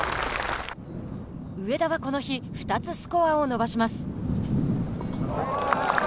上田はこの日２つスコアを伸ばします。